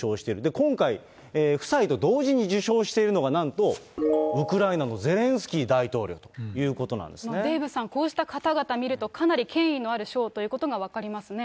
今回、夫妻と同時に受賞しているのが、なんと、ウクライナのゼレンスキー大統領ということなんでデーブさん、こうした方々見ると、かなり権威のある賞ということが分かりますね。